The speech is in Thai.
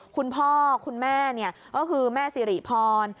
คุณพ่อคุณแม่ก็คือแม่สิริพร